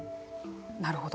なるほど。